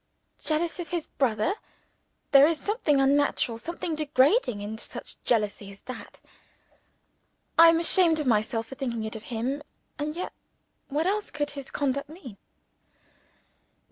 Jealous of his brother! There is something unnatural, something degrading in such jealousy as that. I am ashamed of myself for thinking it of him. And yet what else could his conduct mean?